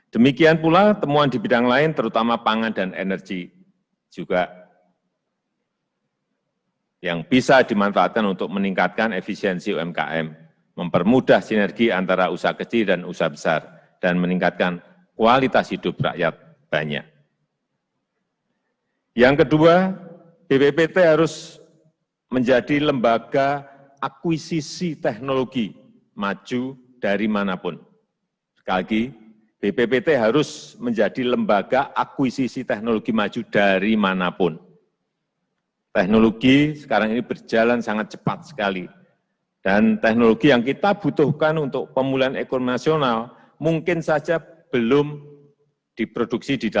demikian pula temuan di bidang lain terutama pandemi covid sembilan belas